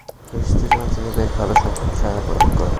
ব্রিটিশদের জন্য তিনি বেশ ভালো সংখ্যক সেনা প্রেরণ করেন।